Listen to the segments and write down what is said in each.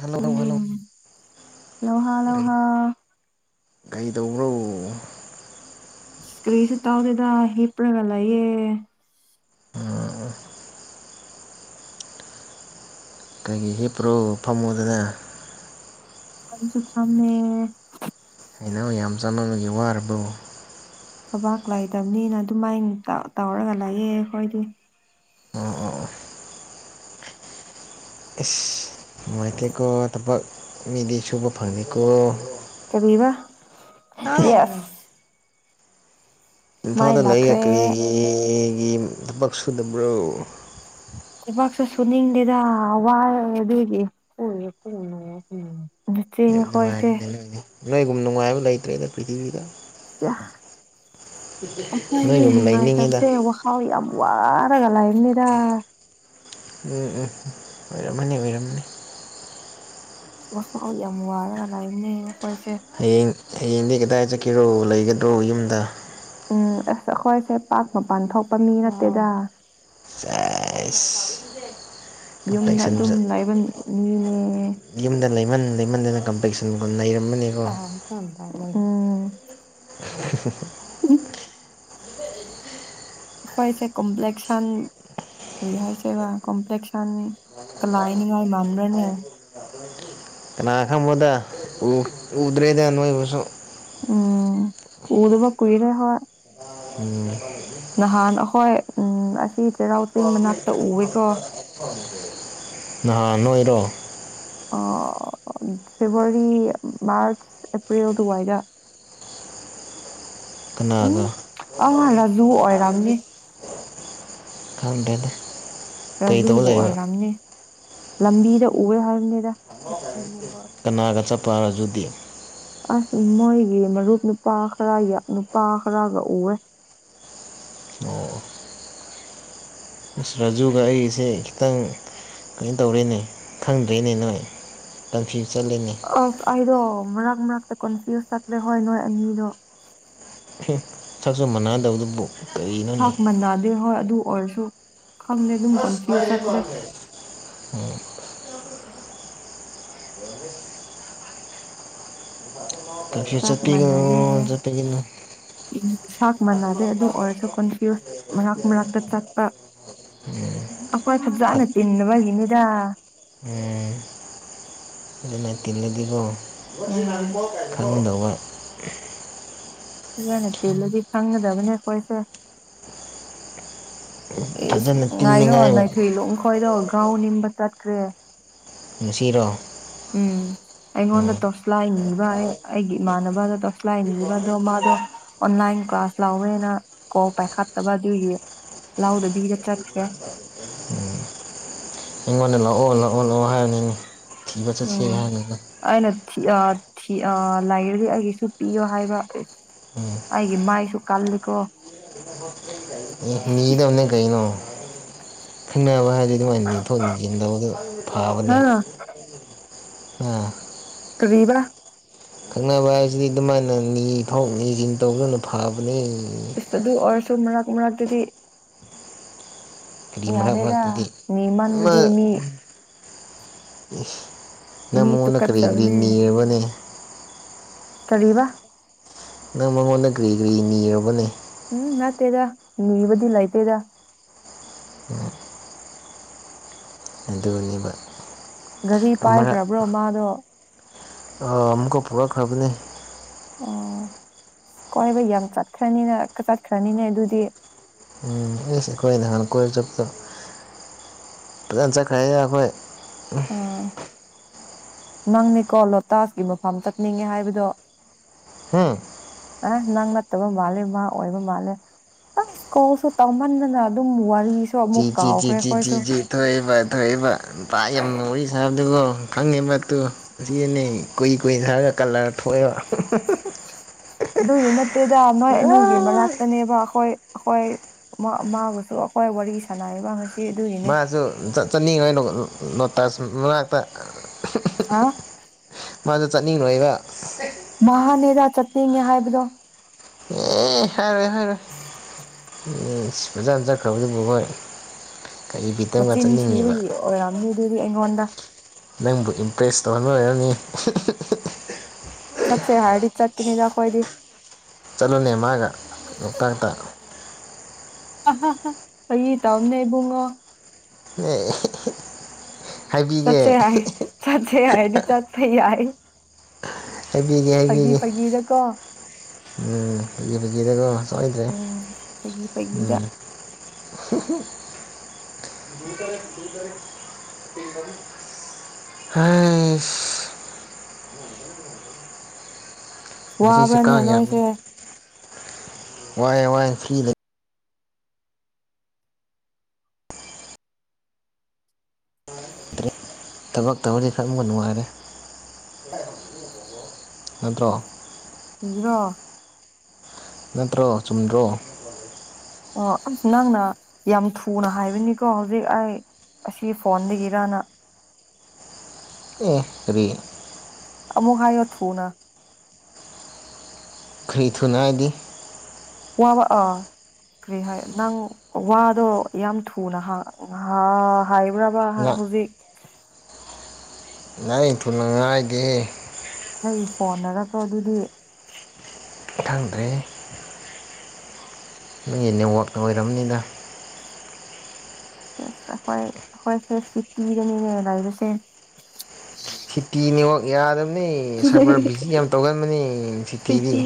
hello hello hello ꯎꯝ ꯂꯧꯍꯥ ꯂꯧꯍꯥ ꯀꯩ ꯇꯧꯕ꯭ꯔꯣ ꯏꯁ ꯀ꯭ꯔꯤꯁꯨ ꯇꯧꯗꯦꯗ ꯍꯤꯞꯄꯂꯒ ꯂꯩꯌꯦ ꯑꯥ ꯑꯩꯒꯤ ꯍꯤꯄ꯭ꯔꯣ ꯐꯝꯃꯨꯗꯅ ꯑꯩꯁꯨ ꯐꯝꯃꯦ ꯍꯦꯂꯣ ꯌꯥꯝ ꯆꯥꯟꯅꯕꯒꯤ ꯋꯥꯔꯕꯣ ꯊꯕꯥꯛ ꯂꯩꯇꯕꯅꯤꯅ ꯑꯗꯨꯃꯥꯏꯅ ꯇꯧ ꯇꯧꯔꯒ ꯂꯩꯥꯌꯦ ꯑꯩꯈꯣꯏꯗꯤ ꯑꯣ ꯑꯣ ꯑꯣ ꯏꯁ ꯅꯨꯉꯥꯏꯇꯦꯀꯣ ꯊꯕꯛ ꯃꯤꯗꯤ ꯁꯨꯨꯕ ꯐꯪꯉꯤꯀꯣ ꯀꯔꯤꯕ ꯌꯦꯁ ꯃꯥꯏ ꯏꯝꯐꯥꯜꯗ ꯂꯩꯌꯦ ꯂꯥꯛꯈ꯭ꯔꯦ ꯀꯔꯤꯒꯤ ꯒꯤ ꯊꯕꯛ ꯁꯨꯗꯕ꯭ꯔꯣ ꯊꯕꯛꯁꯨ ꯁꯨꯅꯤꯡꯗꯦꯗ ꯋꯥꯏ ꯑꯗꯨꯗꯤ [unintelligible] ꯆꯦꯡ ꯌꯥꯝ ꯍꯣꯏꯁꯦ ꯅꯨꯡꯉꯥꯏꯔꯤꯅꯦ ꯅꯣꯏꯗꯤ ꯅꯣꯏꯒꯨꯝ ꯅꯨꯡꯉꯥꯏꯕ ꯂꯩꯇ꯭ꯔꯦꯅꯦ ꯄ꯭ꯔꯤꯊꯤꯕꯤꯗ ꯑꯩꯈꯣꯏꯁꯦ ꯅꯣꯏꯒꯨꯝꯕ ꯂꯩꯅꯤꯡꯉꯤꯗ ꯅꯨꯡꯉꯥꯏꯇꯕꯁꯦ ꯋꯥꯍꯥꯎ ꯌꯥꯝ ꯋꯥꯔꯒ ꯂꯩꯕꯅꯤꯗ ꯎꯝ ꯎꯝ ꯎ ꯂꯩꯔꯝꯃꯅꯤ ꯑꯣꯏꯔꯝꯃꯅꯤ [unintelligible] ꯌꯥꯝ ꯋꯥꯔ ꯂꯩꯕꯅꯦ ꯑꯩꯅ ꯍꯌꯦꯡ ꯍꯌꯦꯡꯗꯤ ꯀꯗꯥꯏ ꯆꯠꯈꯤꯔꯣ ꯂꯩꯒꯗ꯭ꯔꯣ ꯌꯨꯝꯗ ꯎꯝ ꯑꯁ ꯑꯩꯈꯣꯏꯁꯦ ꯄꯥꯛ ꯃꯄꯥꯟ ꯊꯣꯛꯄ ꯃꯤ ꯅꯠꯇꯦꯗ ꯑꯦꯁ ꯌꯨꯝꯗ ꯀꯝꯄ꯭ꯂꯦꯛꯁꯟ ꯑꯗꯨꯝ ꯂꯩꯕ ꯃꯤꯅꯦ ꯌꯨꯝꯗ ꯂꯩꯃꯟ ꯂꯩꯃꯟꯗꯅ ꯀꯝꯄ꯭ꯂꯦꯛꯁꯟꯒꯨꯝ ꯅꯩꯔ ꯑꯍꯝ [unintelligible] ꯎꯝ ꯎꯍꯨ ꯎꯍꯨ [unintelligible] ꯏꯈꯣꯏꯁꯦ ꯀꯣꯝꯄ꯭ꯂꯦꯛꯁꯟ ꯀꯔꯤ ꯍꯥꯏꯁꯤꯔꯥ ꯀꯣꯝꯄ꯭ꯂꯦꯛꯁꯥꯟꯅꯤ ꯀꯂꯥ ꯍꯥꯏꯅꯤꯡꯉꯥꯏ ꯃꯥꯟꯕ꯭ꯔꯅꯦ ꯀꯅ ꯈꯪꯕꯅꯣꯗ ꯎ ꯎꯗ꯭ꯔꯦꯗ ꯅꯣꯏꯕꯨꯁꯨ ꯎꯝ ꯎꯗꯕꯥ ꯀꯨꯏꯔꯦ ꯍꯣꯏ ꯎꯝ ꯅꯍꯥꯟ ꯑꯍꯣꯏ ꯎꯝ ꯑꯁꯤ ꯆꯩꯔꯥꯎ ꯆꯤꯡ ꯃꯅꯥꯛꯇ ꯎꯋꯦꯀꯣ ꯅꯍꯥꯟ ꯅꯣꯏꯔꯣ ꯑꯣ ꯐꯦꯕꯋꯥꯔꯤ ꯃꯥꯔꯆ ꯑꯦꯄ꯭ꯔꯤꯜ ꯗꯨꯋꯥꯏꯗ ꯀꯅꯥꯒ ꯗꯨ ꯑꯣꯏꯔꯝꯅꯤ ꯈꯪꯗꯦꯗ ꯔꯥꯖꯨꯕꯨ ꯑꯣꯏꯔꯝꯅꯤ ꯂꯝꯕꯤꯗ ꯎꯌꯦ ꯍꯥꯏꯕꯅꯤꯗ ꯎꯅꯕ ꯀꯅꯥꯒ ꯆꯠꯄ ꯔꯥꯖꯨꯗꯤ ꯑꯁ ꯃꯣꯏꯒꯤ ꯃꯔꯨꯞ ꯅꯨꯄꯥ ꯈꯔ ꯅꯨꯄꯥ ꯈꯔꯒ ꯎꯋꯦ [inaudible] ꯔꯥꯖꯨꯒ ꯑꯩꯁꯦ ꯈꯤꯇꯪ ꯀꯩꯅꯣ ꯇꯧꯔꯦꯅꯦ ꯈꯪꯗ꯭ꯔꯦꯅꯦ ꯅꯣꯏ ꯀꯟꯐ ꯑ ꯑꯩꯗꯣ ꯃꯔꯛ ꯃꯔꯛꯇ ꯀꯟꯐ꯭ꯌꯨꯁ ꯆꯠꯂꯦ ꯍꯣꯏ ꯅꯣꯏ ꯑꯅꯤꯗꯣ ꯁꯛꯁꯨ ꯃꯥꯟꯅꯗꯕꯗꯨꯕꯨ ꯀꯔꯤꯅꯣꯅꯦ ꯁꯥꯛ ꯃꯅꯗꯦ ꯍꯣꯏ ꯑꯗꯨ ꯑꯣꯏꯔꯁꯨ ꯈꯪꯗꯦ ꯑꯗꯨꯝ ꯀꯣꯟꯐ꯭ꯌꯨꯁ ꯆꯠꯂꯦ ꯎꯝ ꯀꯦꯟꯐ꯭ꯌꯨꯁ ꯆꯥꯛ ꯆꯠꯄꯤꯒꯅꯣ ꯃꯥꯟꯅꯗꯦ ꯆꯠꯄꯤꯒꯅꯣ ꯁꯥꯛ ꯃꯥꯟꯅꯗꯦ ꯑꯗꯨ ꯑꯣꯏꯔꯁꯨ ꯀꯣꯟꯐ꯭ꯌꯨꯁ ꯃꯔꯛ ꯃꯔꯛꯇ ꯆꯠꯄ ꯎꯝ ꯐꯖꯥꯅ ꯇꯤꯟꯗꯕꯒꯤꯅꯤꯗ ꯎꯝ ꯑꯗꯨꯅ ꯇꯤꯜꯂꯗꯤꯀꯣ ꯎꯝ ꯈꯪꯗꯧꯕ ꯐꯌꯦꯅ ꯇꯤꯜꯂꯗꯤ ꯈꯪꯒꯗꯕꯅꯦ ꯑꯩꯈꯣꯏꯁꯦ ꯑꯦꯁ ꯐꯖꯅ ꯉꯥꯏꯌꯣ ꯇꯤꯟꯅꯤꯡꯉꯥꯏ ꯅꯣꯏꯀ꯭ꯔꯤ ꯂꯣꯡꯈꯣꯏꯗꯣ ꯒꯥꯎ ꯅꯤꯡꯕ ꯆꯠꯈ꯭ꯔꯦ ꯉꯁꯤꯔꯣ ꯎꯝ ꯑꯩꯉꯣꯟꯗ ꯇꯣꯁꯂꯥꯏ ꯅꯤꯕ ꯑꯩꯒꯤ ꯏꯃꯥꯟꯅꯕꯗ ꯇꯣꯁꯂꯥꯏ ꯅꯤꯕꯗꯣ ꯃꯥꯗꯣ ꯥꯏꯟ ꯀ꯭ꯂꯥꯁ ꯂꯥꯎꯋꯦꯅ ꯀꯣꯜ ꯄꯥꯏꯈꯠꯇꯕ ꯑꯗꯨꯏꯒꯤ ꯂꯥꯎꯗꯕꯤꯗ ꯆꯠꯈ꯭ꯔꯦ ꯎꯝ ꯑꯩꯉꯣꯟꯗ ꯂꯥꯛꯑꯣ ꯂꯥꯛꯑꯣ ꯂꯥꯛꯑꯣ ꯍꯥꯏꯔꯅꯤꯅꯦ ꯎꯝ ꯑꯩꯅ ꯊꯤ ꯑ ꯊ ꯑ ꯂꯥꯏꯔꯤꯛꯁꯦ ꯑꯩꯒꯤꯁꯨ ꯄꯤꯌꯣ ꯍꯥꯏꯕ ꯎꯝ ꯑꯩꯒꯤ ꯃꯥꯏꯁꯨ ꯀꯜꯂꯤꯀꯣ ꯅꯤꯒꯗꯝꯅꯦ ꯀꯩꯅꯣ ꯈꯪꯅꯕ ꯍꯥꯏ ꯑꯗꯨ ꯑꯗꯨꯃꯥꯏꯅ ꯌꯦꯡꯊꯣꯛ ꯌꯦꯟꯁꯤꯟ ꯇꯧꯕꯗꯣ ꯍꯥ ꯐꯕꯅꯦ ꯑꯥ ꯀ꯭ꯔꯤꯕ ꯈꯪꯅꯕ ꯍꯥꯏꯁꯤꯗꯤ ꯑꯗꯨꯃꯥꯏꯅ ꯅꯤꯊꯣꯛ ꯅꯤꯁꯤꯟ ꯇꯧꯗꯨꯅ ꯐꯕꯅꯤ ꯆꯨ ꯃꯔꯛ ꯃꯔꯛꯇꯗꯤ ꯀꯔꯤ ꯃꯔꯥꯡ ꯃꯔꯥꯛ ꯌꯥꯗꯦꯗ ꯇ ꯅꯤꯃꯟꯕꯗꯤ ꯃꯤ ꯅꯪ ꯃꯤ ꯃꯉꯣꯟꯗ ꯀꯔꯤ ꯀꯔꯤ ꯇꯨꯀꯠꯆꯕꯅꯦ ꯅꯤꯔꯕꯅꯦ ꯀꯔꯤꯕ ꯅꯪ ꯃꯉꯣꯟꯗ ꯀ꯭ꯔꯤ ꯀꯔꯤ ꯅꯤꯔꯕꯅꯦ ꯎꯝ ꯅꯠꯇꯦꯗ ꯅꯤꯕꯗꯤ ꯂꯩꯇꯦꯗ ꯗꯨꯅꯤꯕ ꯒꯥꯔꯤ ꯄꯥꯏꯈ꯭ꯔꯕ꯭ꯔꯣ ꯃꯥꯗꯣ ꯑꯃꯨꯛꯀ ꯄꯨꯔꯛꯈ꯭ꯔꯕꯅꯤ ꯑꯣ ꯀꯣꯏꯕ ꯌꯥꯝ ꯆꯠꯈ꯭ꯔꯅꯤꯅ ꯆꯠꯈ꯭ꯔꯅꯤꯅꯦ ꯑꯗꯨꯗꯤ ꯎꯝ ꯑꯦꯁ ꯑꯩꯈꯣꯏ ꯅꯍꯥꯟ ꯀꯣꯏꯕ ꯆꯠꯄꯗꯣ ꯐꯖꯅ ꯆꯠꯈ꯭ꯔꯦ ꯑꯩꯈꯣꯏ ꯑꯥ ꯅꯪꯅꯤꯀꯣ ꯂꯣꯇꯥꯁꯀꯤ ꯃꯐꯝ ꯆꯠꯅꯤꯡꯉꯦ ꯍꯥꯏꯕꯗꯣ ꯍꯝ ꯑꯁ ꯅꯪ ꯅꯠꯇꯕ ꯃꯥꯜꯂꯦ ꯃꯥ ꯑꯣꯏꯕ ꯃꯥꯜꯂꯦ ꯑꯏꯁ ꯀꯣꯜꯁꯨ ꯇꯧꯃꯟꯗꯅ ꯑꯗꯨꯝ ꯋꯥꯔꯤ ꯆꯤ ꯆꯤ ꯆꯤ ꯆꯤ ꯆꯤ ꯆꯤ ꯊ ꯊꯣꯛꯏꯕ ꯊꯣꯛꯏꯕ ꯇꯥꯛ ꯌꯥꯝ ꯋꯥꯔꯤꯁꯥꯟꯅꯗꯦꯀꯣ ꯈꯪꯉꯦꯕꯠꯇꯨ ꯁꯤꯅꯦ ꯀꯨꯏ ꯀꯨꯏ ꯍꯥꯏꯔꯒ ꯀꯂꯔ ꯊꯣꯛꯑꯦꯕ ꯑꯗꯨꯒꯤ ꯅꯠꯇꯦꯗ ꯃꯣꯏ ꯑꯅꯤꯒꯤ ꯃꯅꯥꯛꯇꯅꯦꯕꯥ ꯍꯣꯏ ꯍꯣꯏ ꯃꯥ ꯃꯥꯕꯨꯁꯨ ꯑꯩꯈꯣꯏ ꯋꯥꯔꯤ ꯁꯥꯟꯅꯔꯤꯕ ꯃꯥꯁꯨ ꯆꯠ ꯆꯠꯅꯤꯡ ꯉꯩ ꯍꯥꯏꯅ ꯂꯣ ꯂꯣꯇꯁ ꯃꯅꯥꯛꯇ ꯍꯥ ꯃꯥꯗꯣ ꯆꯠꯅꯤꯡꯉꯣꯏꯗꯥ ꯃꯥꯍꯥꯅꯦꯕ ꯆꯠꯅꯤꯡꯉꯦ ꯍꯥꯏꯕꯗꯣ ꯑꯦ ꯍꯥꯏꯔꯣꯏ ꯍꯥꯏꯔꯣꯏ ꯏꯁ ꯐꯖꯅ ꯆꯈ꯭ꯔꯕꯗꯨꯕꯣꯏ ꯍꯣꯏ ꯀꯔꯤ ꯕꯤꯠꯇꯝꯒ ꯃꯆꯤꯟ ꯆꯠꯅꯤꯡꯉꯤꯕ ꯊꯤꯕꯒꯤ ꯑꯣꯏꯔꯝꯅꯤ ꯑꯗꯨꯗꯤ ꯑꯩꯉꯣꯟꯗ ꯅꯪꯕꯨ ꯏꯝꯄ꯭ꯔꯦꯁ ꯇꯧꯍꯟꯕ ꯑꯣꯏꯔꯝꯅꯤ ꯆꯠꯁꯦ ꯍꯥꯏꯔꯗꯤ ꯆꯠꯄꯅꯤꯗ ꯈꯣꯏꯗꯤ ꯆꯠꯂꯨꯅꯦ ꯃꯥꯒ ꯂꯣꯛꯇꯥꯛꯇ ꯑ ꯍ ꯍ ꯐꯒꯤ ꯇꯧꯅꯦ ꯏꯕꯨꯡꯉꯣ ꯍꯦ ꯍꯦ ꯆꯠꯆꯦ ꯌꯥꯏ ꯆꯠꯆꯦ ꯌꯥꯏꯗꯤ ꯆꯠꯄ ꯌꯥꯏ ꯍꯥꯏꯕꯤꯒꯦ ꯐꯥꯒꯤ ꯍꯥꯏꯕꯤꯒꯦ ꯐꯥꯒꯤꯗꯀꯣ ꯎꯝ ꯐꯒꯤ ꯐꯒꯤꯗꯀꯣ ꯁꯣꯏꯗꯦ ꯎꯝ ꯐꯥꯒꯤ ꯐꯥꯒꯤꯗ ꯎꯝ ꯍꯝ ꯉꯁꯤꯁꯦ ꯋꯥꯕ꯭ꯔꯅꯦ ꯀꯥꯡ ꯌꯥꯝꯃꯤ ꯅꯣꯏꯁꯦ ꯋꯥꯏꯌꯦ ꯋꯥꯏꯌꯦ ꯐ꯭ꯔꯤꯗ ꯂꯩꯇ꯭ꯔꯦ ꯊꯕꯛ ꯇꯧꯔꯅꯤ ꯈꯟꯕꯒ ꯅꯨꯡꯉꯥꯏꯔꯦ ꯅꯠꯇ꯭ꯔꯣ ꯀꯩꯒꯤꯔꯣ ꯅꯠꯇ꯭ꯔꯣ ꯆꯨꯝꯗ꯭ꯔꯣ ꯑꯣ ꯑꯁ ꯅꯪꯅ ꯌꯥꯝ ꯊꯨꯅ ꯍꯥꯏꯕꯅꯤꯀꯣ ꯍꯧꯖꯤꯛ ꯑꯩ ꯑꯁꯤ ꯐꯣꯟꯗꯒꯤꯔꯅꯥ ꯑꯦ ꯔꯤ ꯑꯃꯨꯛ ꯍꯥꯏꯌꯣ ꯊꯨꯅ ꯈ꯭ꯔꯤ ꯊꯨꯅ ꯍꯥꯏꯗꯤ ꯋꯥꯕ ꯑꯥ ꯀ꯭ꯔꯤ ꯍꯥꯏ ꯅꯪ ꯋꯥꯗꯣ ꯌꯥꯝ ꯊꯨꯅ ꯍ ꯍꯥ ꯍꯥꯏꯕ꯭ꯔꯕ ꯍ ꯉꯥ ꯍꯧꯖꯤꯛ ꯂꯩ ꯊꯨꯅ ꯉꯥꯏꯗꯦꯍꯦ ꯑꯩ ꯐꯣꯟꯅꯔꯛꯀꯣ ꯑꯗꯨꯗꯤ ꯈꯪꯗ꯭ꯔꯦ ꯅꯣꯏꯒꯤ ꯅꯦꯠꯋꯥꯛꯅ ꯑꯣꯏꯔꯝꯅꯤꯗ ꯑ ꯍꯣ ꯍꯣꯏ ꯈꯣꯏꯁꯦ ꯁꯤꯇꯤꯗꯅꯤꯅꯦ ꯂꯩꯕꯁꯦ ꯁꯤꯇꯤ ꯅꯦꯠꯋꯥꯛ ꯌꯥꯗꯕ ꯅꯦ ꯁꯔꯚꯔ ꯕꯤꯖꯤ ꯌꯥꯝ ꯇꯧꯒꯟꯕꯅꯦ ꯁꯤꯇꯤꯗꯤ ꯁꯤꯇꯤ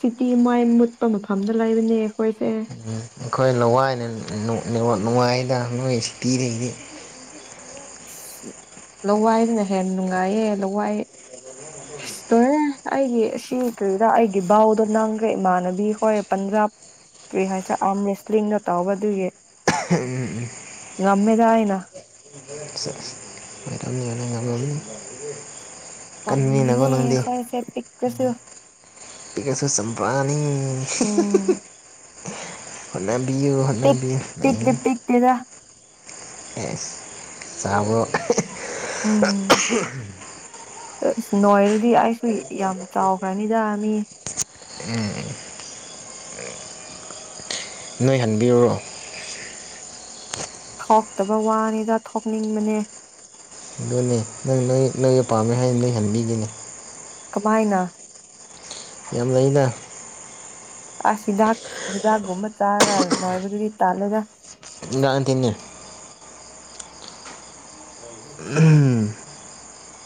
ꯁꯤꯇꯤ ꯃꯥꯏ ꯃꯨꯠꯄ ꯃꯐꯝꯗ ꯂꯩꯕꯅꯦ ꯑꯩꯈꯣꯏꯁꯦ ꯑꯩꯈꯣꯏ ꯂꯋꯥꯏꯅ ꯍꯦꯟ ꯅꯨ ꯅꯨꯡꯉꯥꯏꯗ ꯅꯣꯏ ꯁꯤꯇꯤ ꯗꯒꯤꯗꯤ ꯑꯁ ꯂꯋꯥꯏꯗꯅ ꯍꯦꯟꯅ ꯅꯨꯡꯉꯥꯏꯌꯦ ꯂꯋꯥꯏ ꯑꯁ ꯂꯣꯏꯔꯦ ꯑꯩꯒꯤ ꯁꯤ ꯀꯔꯤꯔꯥ ꯑꯩꯒꯤ ꯕꯥꯎꯗꯣ ꯅꯪꯒ ꯏꯃꯥꯟꯅꯕꯤ ꯍꯣꯏ ꯄꯟꯖꯥꯕ ꯀ꯭ꯔꯤ ꯍꯥꯏꯁꯤꯔ ꯑꯥꯝ ꯔꯦꯁꯂꯤꯡꯒ ꯇꯥꯎꯕꯗꯨꯏꯒꯤ ꯉꯝꯃꯦꯗ ꯑꯩꯅ ꯑꯣꯏꯔꯝꯅꯤ ꯑꯣꯏꯔꯝꯅꯤ ꯉꯝꯃꯝꯅꯤ ꯀꯟꯕꯅꯤꯅꯀꯣ ꯉꯝꯃꯤꯅꯦ ꯅꯪꯗꯤ ꯈꯣꯏ ꯁꯦ ꯄꯤꯛꯄꯁꯨ ꯄꯤꯛꯑꯁꯨ ꯆꯝꯄ꯭ꯔꯥꯅꯤ ꯍꯤ ꯎꯝ ꯍꯤ ꯑꯣꯂꯦꯝ ꯕꯤꯌꯨ ꯄꯤꯛ ꯍꯣꯠꯅꯕꯤꯌꯨ ꯑꯩ ꯄꯤꯛꯇꯤ ꯄꯤꯛꯇꯦꯗ ꯑꯦꯁ ꯆꯥꯎꯕ꯭ꯔꯣ ꯎꯝ ꯑꯁ ꯅꯣꯏꯔꯗꯤ ꯑꯩꯁꯨ ꯌꯥꯝ ꯆꯥꯎꯒ꯭ꯔꯅꯤꯗ ꯃꯤ ꯎꯝ ꯎꯝ ꯅꯣꯏ ꯍꯟꯕꯤꯔꯨꯔꯣ ꯊꯣꯛꯇꯕ ꯋꯥꯅꯤꯗ ꯊꯣꯛꯅꯤꯡꯕꯅꯦ ꯑꯗꯨꯅꯦ ꯅꯪ ꯅꯪ ꯅꯪꯅ ꯄꯥꯝꯃꯦ ꯍꯥꯏꯕꯩ ꯍꯥꯏꯕꯤꯔꯤꯅꯦ ꯀꯃꯥꯏꯅ ꯌꯥꯝ ꯂꯩꯅ ꯑꯁ ꯍꯤꯗꯥꯛ ꯍꯤꯗꯥꯛꯒꯨꯝꯕ ꯆꯥꯔ ꯅꯣꯢꯦꯕꯗꯨꯗꯤ ꯇꯜꯂꯦꯗ ꯅꯛꯑꯗꯤꯅꯦ ꯍꯝ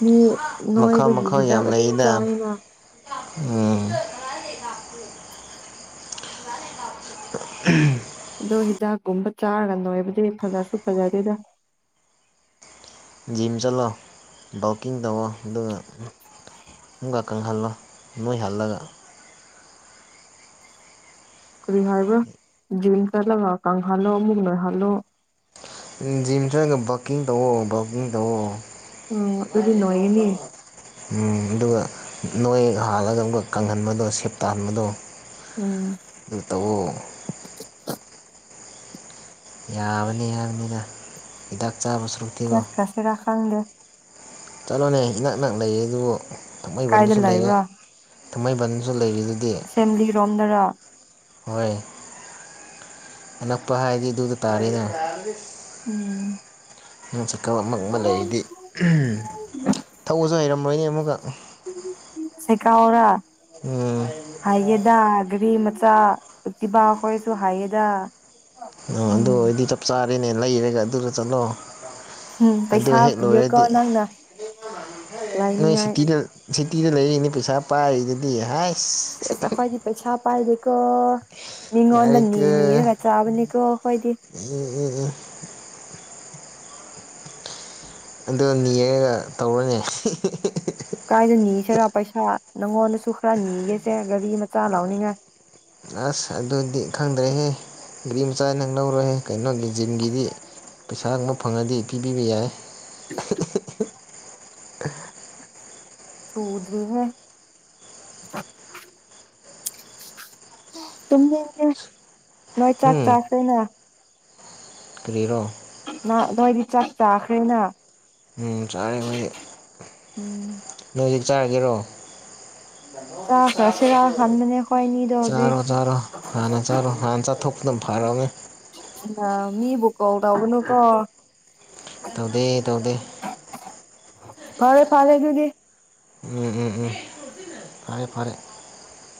ꯃꯤ ꯃꯈꯜ ꯅꯣꯏꯕꯒꯤ ꯃꯈꯜ ꯍꯤꯗꯥꯛ ꯌꯥꯝ ꯑꯗꯨꯝ ꯂꯩꯗ ꯆꯥꯏꯅ ꯎꯝ [unintelligible] ꯑꯗꯣ ꯍꯤꯗꯥꯛꯀꯨꯝꯕ ꯆꯥꯔꯒ ꯅꯣꯏꯕꯗꯤ ꯐꯖꯁꯨ ꯐꯖꯗꯦꯗ ꯖꯤꯝ ꯆꯠꯂꯣ ꯋꯥꯀꯤꯡ ꯇꯧꯋꯣ ꯑꯗꯨꯒ ꯨꯃꯨꯛꯀ ꯀꯪꯍꯜꯂꯣ ꯅꯣꯏꯍꯜꯂꯒ ꯀꯔꯤ ꯍꯥꯏꯕ꯭ꯔ ꯖꯤꯝꯇ ꯀꯪꯍꯜꯂꯣ ꯑꯃꯨꯛ ꯅꯣꯏꯍꯜꯂꯣ ꯏꯪ ꯖꯤꯝ ꯆꯠꯂ ꯕꯥꯀꯤꯡ ꯇꯧꯋꯣ ꯕꯥꯀꯤꯡ ꯇꯧꯋꯣ ꯎꯝ ꯑꯗꯨꯗꯤ ꯅꯣꯏꯒꯅꯤ [unintelligible] ꯎꯝ ꯑꯗꯨꯒ ꯅꯣꯏ ꯍꯥꯜꯂꯒ ꯑꯃꯨꯛꯀ ꯀꯪꯍꯟꯕꯗꯣ ꯁꯦꯞ ꯇꯥꯍꯟꯕꯗꯣ ꯎꯝ ꯑꯗꯨ ꯇꯧꯋꯣ ꯌꯥꯕꯅꯤ ꯍꯥꯏꯅꯤꯗ ꯍꯤꯗꯥꯛ ꯆꯥꯕ ꯁꯔꯨꯛꯇꯤꯀꯣ ꯆꯠꯈ꯭ꯔꯁꯤꯔꯥ ꯈꯪꯗꯦ ꯆꯠꯂꯣꯅꯦ ꯏꯅꯛ ꯅꯛ ꯂꯩꯔꯤꯗꯨꯕꯨ ꯀꯥꯏꯗ ꯊꯥꯡꯃꯩꯕꯟꯗꯁꯨ ꯂꯩꯔꯦ ꯊꯥꯡꯃꯩꯕꯟ ꯑꯁꯦꯡꯕꯗꯤ ꯀꯗꯣꯝꯗꯔ ꯍꯣꯏ ꯑꯅꯛꯄ ꯍꯥꯏꯗꯤ ꯑꯗꯨꯗ ꯇꯥꯔꯦꯗ ꯎꯝ [unintelligible] ꯇꯣ ꯑꯃ ꯃꯛ ꯂꯩꯔꯤꯗꯤ ꯊꯧꯕꯁꯨ ꯍꯩꯔꯝꯃꯣꯏꯅꯦ ꯑꯃꯨꯛꯀ ꯁꯦꯀꯥꯎꯔꯥ ꯎꯝ ꯍꯩꯌꯦꯗ ꯒꯔꯤ ꯃꯆꯥ ꯑꯦꯛꯇꯤꯚꯥ ꯍꯣꯏꯁꯨ ꯍꯩꯌꯦꯗ ꯑꯥ ꯑꯗꯨ ꯑꯣꯏꯗꯤ ꯆꯞ ꯆꯥꯔꯦꯅꯦ ꯂꯩꯔꯒ ꯑꯗꯨꯗ ꯆꯠꯂꯣ ꯍꯝ ꯑꯗꯨ ꯄꯩꯁꯥ ꯍꯦꯛ ꯄꯤꯌꯣꯀꯣ ꯂꯣꯏꯔꯗꯤ ꯅꯪꯅ ꯅꯣꯏ ꯂꯥꯏꯅꯤꯡꯉꯥꯏ ꯁꯤꯇꯤꯗ ꯁꯤꯇꯤꯗ ꯂꯩꯔꯤꯅꯦ ꯄꯩꯁꯥ ꯄꯥꯏꯔꯤꯗꯨꯗꯤ ꯍꯥꯏ ꯁꯤꯁ ꯑꯈꯣꯏꯗꯤ ꯄꯩꯁꯥ ꯄꯥꯏꯗꯦꯀꯣ ꯃꯤꯉꯣꯗ ꯅꯤ ꯌꯥꯔꯦꯀꯣ ꯅꯤꯔ ꯆꯥꯕꯅꯤ ꯀꯣ ꯑꯈꯣꯏꯗꯤ ꯑꯗꯨ ꯅꯤꯔꯔꯒ ꯇꯧꯔꯣꯅꯦ ꯀꯥꯏꯗ ꯅꯤꯁꯤꯔꯥ ꯄꯩꯁꯥ ꯅꯪꯉꯣꯟꯗꯁꯨ ꯈꯔ ꯅꯤꯒꯦꯁꯦ ꯒꯥꯔꯤ ꯃꯆꯥ ꯂꯧꯅꯤꯡꯉꯥꯏ ꯑꯁ ꯑꯗꯨꯗꯤ ꯈꯪꯗ꯭ꯔꯦꯍꯦ ꯒꯥꯔꯤ ꯃꯆꯥ ꯅꯪ ꯂꯧꯔꯍꯦ ꯀꯩꯅꯣꯒꯤ ꯖꯤꯝꯒꯤꯗꯤ ꯄꯩꯁꯥ ꯉ ꯐꯪꯉꯗꯤ ꯄꯤꯕꯤꯕ ꯌꯥꯏ ꯁꯨꯗ꯭ꯔꯤꯍꯦ ꯇꯨꯝꯅꯤꯡꯉꯦ ꯅꯣꯏ ꯆꯥꯛ ꯎꯝ ꯆꯥꯥꯈ꯭ꯔꯦꯅ ꯀꯔꯤꯔꯣ ꯅ ꯅꯣꯏꯗꯤ ꯆꯥꯛ ꯇꯥꯈ꯭ꯔꯦꯅ ꯎꯝ ꯆꯥꯔꯦ ꯑꯩꯈꯣꯏꯗꯤ ꯎꯝ ꯍꯖꯤꯛ ꯆꯥꯔꯒꯦꯔꯣ ꯆꯥꯈ꯭ꯔꯁꯤꯔꯥ ꯈꯟꯕꯅꯦ ꯑꯩꯈꯣꯏ ꯑꯅꯤꯗꯣ ꯍꯧꯖꯤꯛ ꯆꯥꯔꯣ ꯆꯥꯔꯣ ꯍꯥꯟꯅ ꯆꯥꯔꯣ ꯍꯥꯟꯅ ꯆꯥꯊꯣꯛꯄꯗꯨ ꯐꯔ ꯇꯧꯔꯦ ꯏꯃ ꯃꯤꯕꯨ ꯀꯣꯜ ꯇꯒꯅꯨꯀꯣ ꯇꯧꯗꯦ ꯇꯧꯗꯦ ꯐꯔꯦ ꯐꯔꯦ ꯗꯨꯨꯗꯤ ꯎꯝ ꯎꯝ ꯎꯝ ꯐꯔꯦ ꯐꯔꯦ